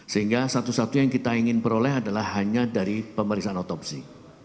sehingga satu satunya yang kita ingin peroleh adalah hanya dari pemeriksaan otopsi